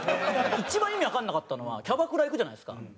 一番意味わからなかったのはキャバクラ行くじゃないですか。